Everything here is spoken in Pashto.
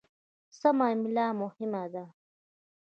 سمه املا مهمه ده.